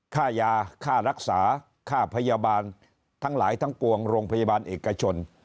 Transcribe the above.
ค่ายาค่ารักษาค่าพยาบาลทั้งหลายทั้งปวงโรงพยาบาลเอกชน